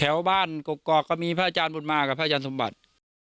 แถวบ้านกกอกก็มีพระอาจารย์บุญมากับพระอาจารย์สมบัติ